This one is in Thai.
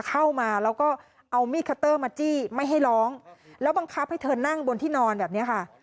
เข้ามาแล้วก็เอามีดคัตเตอร์มาจี้ไม่ให้ร้องแล้วบังคับให้เธอนั่งบนที่นอนแบบนี้ค่ะ